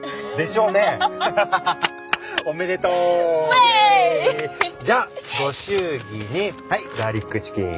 ウェーイ！じゃあご祝儀にはいガーリックチキン。